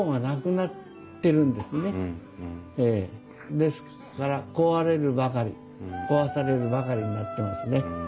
ですから壊れるばかり壊されるばかりになってますね。